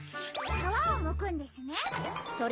かわをむくんですね。